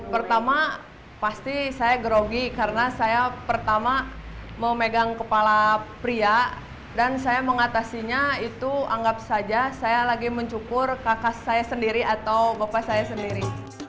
pertama pasti saya grogi karena saya pertama memegang kepala pria dan saya mengatasinya itu anggap saja saya lagi mencukur kakak saya sendiri atau bapak saya sendiri